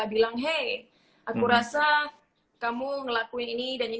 aku rasa kamu ngelakuin ini dan ini gak baik dan ini menyakiti perasaan aku k isto innocent